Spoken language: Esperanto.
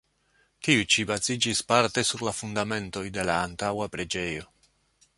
Tiu ĉi baziĝis parte sur la fundamentoj de la antaŭa preĝejo.